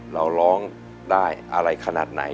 เราร้องได้อะไรขนาดไหน